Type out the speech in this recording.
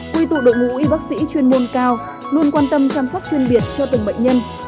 quy tụ đội ngũ y bác sĩ chuyên môn cao luôn quan tâm chăm sóc chuyên biệt cho từng bệnh nhân